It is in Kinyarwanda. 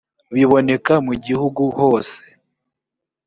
biboneka mu gihugu hose .